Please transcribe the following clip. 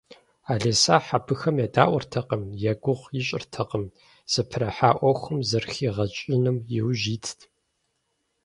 Ӏэлисахь абыхэм едаӏуэртэкъым, я гугъу ищӏыртэкъым, зыпэрыхьа ӏуэхум зэрыхигъэщӏыным яужь итт.